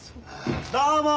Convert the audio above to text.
どうも！